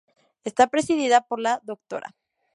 Está presidida por la Dra.